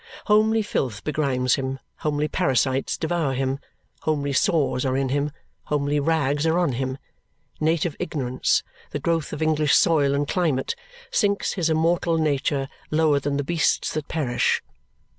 Homely filth begrimes him, homely parasites devour him, homely sores are in him, homely rags are on him; native ignorance, the growth of English soil and climate, sinks his immortal nature lower than the beasts that perish.